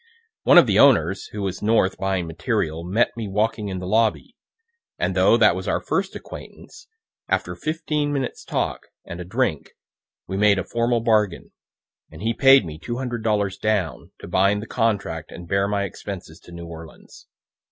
One of the owners, who was north buying material, met me walking in the lobby, and though that was our first acquaintance, after fifteen minutes' talk (and a drink) we made a formal bargain, and he paid me two hundred dollars down to bind the contract and bear my expenses to New Orleans.